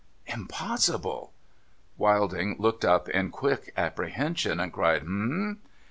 Impossible !' Wilding looked up in quick apprehension, and cried, ' Eh